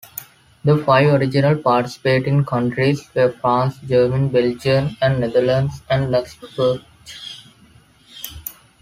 The five original participating countries were France, Germany, Belgium, the Netherlands, and Luxembourg.